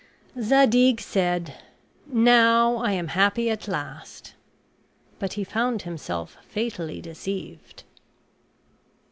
Zadig said, "Now I am happy at last"; but he found himself fatally deceived.